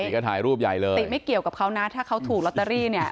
นี่ก็ถ่ายรูปใหญ่เลยติไม่เกี่ยวกับเขานะถ้าเขาถูกลอตเตอรี่เนี่ย